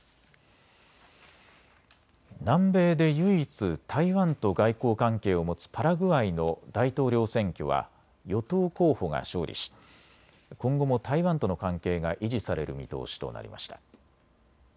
南米で唯一、台湾と外交関係を持つパラグアイの大統領選挙は与党候補が勝利し、今後も台湾との関係が維持される見通しとなりました。